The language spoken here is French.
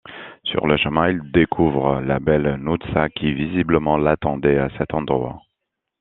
Sur le chemin, il découvre la belle Noutsa qui visiblement l'attendait à cet endroit.